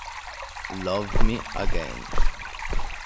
Love Me Again